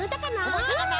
おぼえたかな？